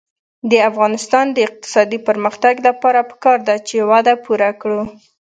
د افغانستان د اقتصادي پرمختګ لپاره پکار ده چې وعده پوره کړو.